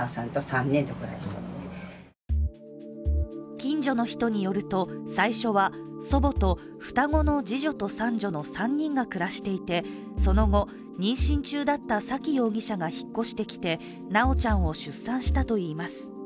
近所の人によると、最初は祖母と双子の次女と三女の３人が暮らしていて、その後、妊娠中だった沙喜容疑者が引っ越してきて修ちゃんを出産したといいます。